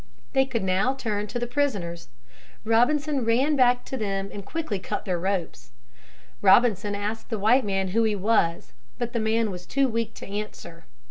They could now turn to the prisoners. Robinson ran back to them and quickly cut their ropes. Robinson asked the white man who he was, but the man was too weak to answer.